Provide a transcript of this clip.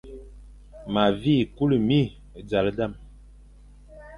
Ma vi kule mie e zal dam,